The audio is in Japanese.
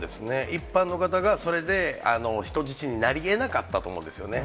一般の方がそれで人質になりえなかったと思うんですよね。